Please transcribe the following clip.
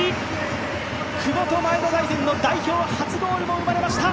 久保と前田大然の代表初ゴールも生まれました。